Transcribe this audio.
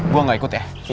gue gak ikut ya